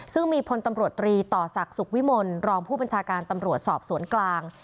ซึ่งมีพลตำรวจตรีต่อศักดิ์สุขวิมลรองผู้บัญชาการตำรวจสอบสวนกลาง